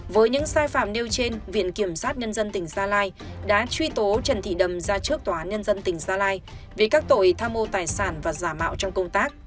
với những sai phạm nêu trên viện kiểm sát nhân dân tỉnh gia lai đã truy tố trần thị đầm ra trước tòa án nhân dân tỉnh gia lai vì các tội tham mô tài sản và giả mạo trong công tác